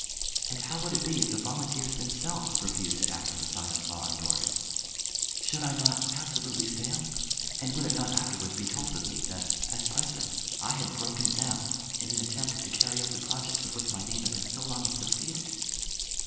And how would it be if the volunteers themselves refused to act on the side of law and order? Should I not absolutely fail; and would it not afterwards be told of me that, as President, I had broken down in an attempt to carry out the project with which my name had been so long associated?